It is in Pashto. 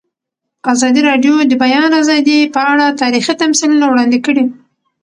ازادي راډیو د د بیان آزادي په اړه تاریخي تمثیلونه وړاندې کړي.